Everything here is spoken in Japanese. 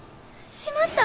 しまった！